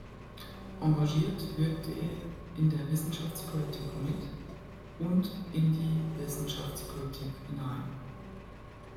Engagiert wirkte er in der Wissenschaftspolitik mit und in die Wissenschaftspolitik hinein.